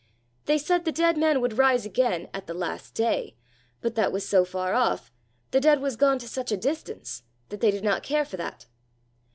They said the dead man would rise again at the last day, but that was so far off, the dead was gone to such a distance, that they did not care for that.